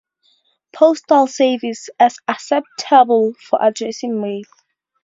Postal Service as acceptable for addressing mail.